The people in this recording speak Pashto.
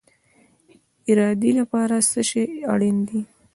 د ارادې لپاره څه شی اړین دی؟